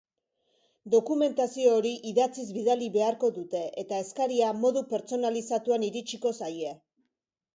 Dokumentazio hori idatziz bidali beharko dute eta eskaria modu pertsonalizatuan iritsiko zaie.